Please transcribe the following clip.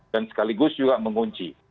dan sekaligus juga mengunci